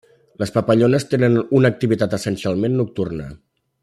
Les papallones tenen una activitat essencialment nocturna.